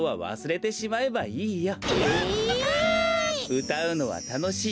うたうのはたのしい。